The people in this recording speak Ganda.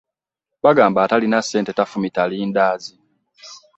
Bagamba atalina ssente tafumita lindaazi.